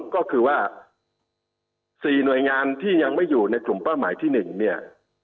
ก็คือว่า๔หน่วยงานที่ยังไม่อยู่ในกลุ่มเป้าหมายที่๑เนี่ย